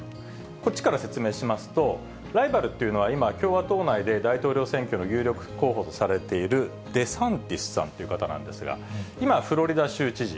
こっちから説明しますと、ライバルっていうのは、今、共和党内で大統領選挙の有力候補とされている、デサンティスさんっていう方なんですが、今、フロリダ州知事。